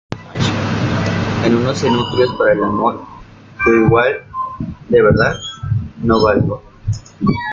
en unos cenutrios para el amor. yo igual, de verdad , no valgo .